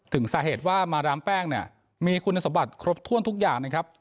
ถึงสาเหตุว่ามาดามแป้งเนี่ยมีคุณสมบัติครบถ้วนทุกอย่างนะครับ